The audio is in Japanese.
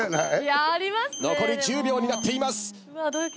残り１０秒になっています。